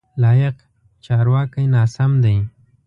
لایق: چارواکی ناسم دی.